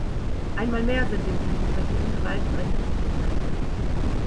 Einmal mehr sind im Süden verheerende Waldbrände zu verzeichnen.